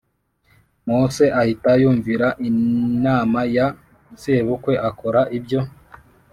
Mose Ahita Yumvira Inama Ya Sebukwe Akora Ibyo